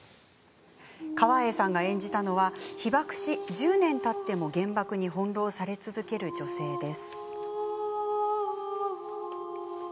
川栄さんが演じたのは被爆し、１０年たっても原爆に翻弄され続ける女性です。